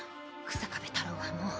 日下部太朗はもう。